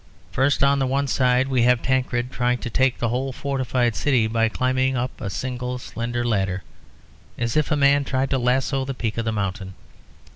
First, on the one side, we have Tancred trying to take the whole fortified city by climbing up a single slender ladder, as if a man tried to lasso the peak of a mountain.